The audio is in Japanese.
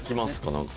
何か。